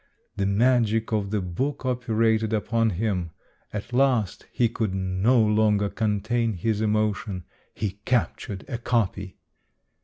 The magic of the book operated upon him. At last he could no longer contain his emo tion. He captured a copy.